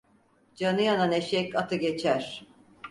Canı yanan eşek atı geçer.